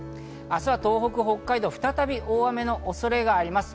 明日は東北、北海道、再び大雨の恐れがあります。